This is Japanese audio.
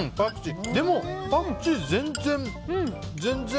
でもパクチー全然。